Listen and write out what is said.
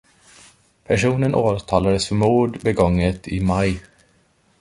Personen åtalades i för mord begånget i maj.